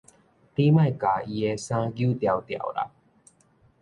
你莫共伊的衫搝牢牢啦！